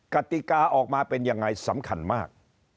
กติกาออกมาเป็นยังไงสำคัญมาก